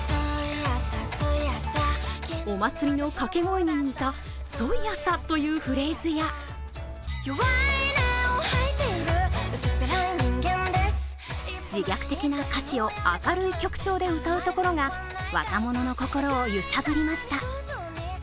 お祭りの掛け声ににた、そういやさというフレーズや自虐的な歌詞を明るい曲調で歌うところが若者の心を揺さぶりました。